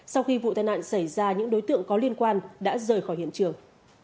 sau khi vụ tai nạn xảy ra những đối tượng có liên quan đã rời khỏi hiện trường